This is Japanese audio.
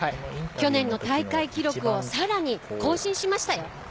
去年の大会記録を更に更新しましたよ。